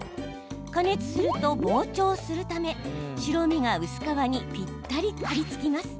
加熱すると膨張するため白身が薄皮にぴったり張りつきます。